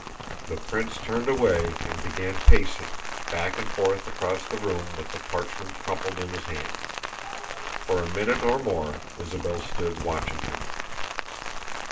The prince turned away and began pacing, back and forth across the room with the parchment crumpled in his hand. For a minute or more Isabel stood watching him.